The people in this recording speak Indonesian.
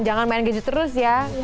jangan main gadget terus ya